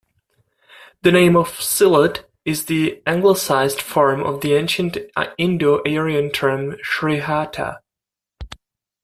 The name of "Sylhet" is the anglicized form of the ancient Indo-Aryan term "Srihatta".